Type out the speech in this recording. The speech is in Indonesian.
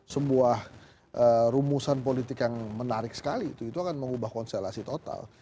sebuah rumusan politik yang menarik sekali itu akan mengubah konstelasi total